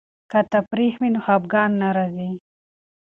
که تفریح وي نو خفګان نه راځي.